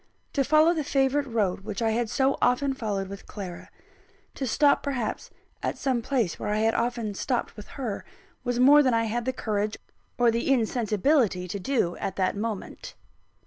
To follow the favourite road which I had so often followed with Clara; to stop perhaps at some place where I had often stopped with her, was more than I had the courage or the insensibility to do at that moment.